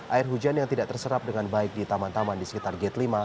air hujan yang tidak terserap dengan baik di taman taman di sekitar gate lima